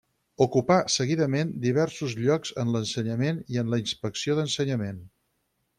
Ocupà seguidament diversos llocs en l'ensenyament i en la inspecció d'ensenyament.